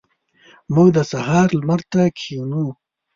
موږ د سهار لمر ته کښینو.